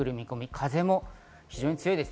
風も非常に強いです。